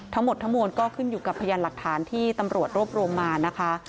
ทั้งหมดทั้งมวลก็ขึ้นอยู่กับพยานหลักฐานที่ตำรวจรวบรวมมานะคะ